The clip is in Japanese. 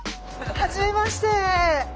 はじめまして！